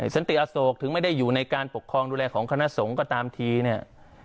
สันติอโศกถึงไม่ได้อยู่ในการปกครองดูแลของคณะสงฆ์ก็ตามทีเนี่ย